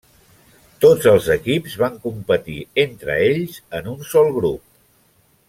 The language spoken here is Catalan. Tots els equips van competir entre ells en un sol grup.